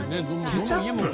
ケチャップ！？